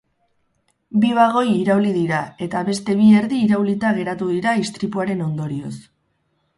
Bi bagoi irauli dira eta beste bi erdi iraulita geratu dira istripuaren ondorioz.